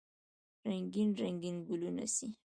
رنګین، رنګین ګلونه سي